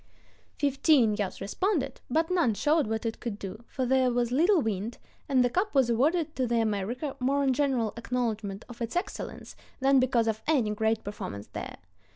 Fifteen yachts responded, but none showed what it could do, for there was little wind, and the cup was awarded to the America more in general acknowledgment of its excellence than because of any great performance there.